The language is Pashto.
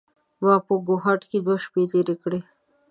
ما په کوهاټ کې دوې شپې تېرې کړې.